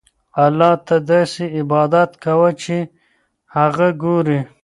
الله ته داسې عبادت کوه چې هغه ګورې.